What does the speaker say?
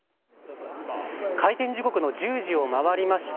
開店時刻の１０時を回りました。